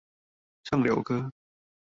上流哥